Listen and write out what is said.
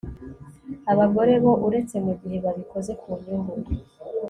abagore bo uretse mu gihe babikoze ku nyungu